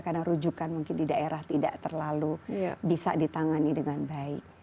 karena rujukan mungkin di daerah tidak terlalu bisa ditangani dengan baik